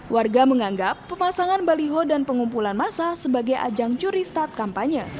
warga menganggap pemasangan baliho dan pengumpulan masa sebagai ajang curi start kampanye